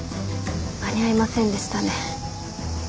間に合いませんでしたね。